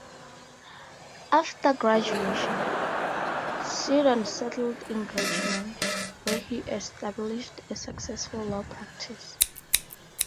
After graduation, Seddon settled in Richmond, where he established a successful law practice.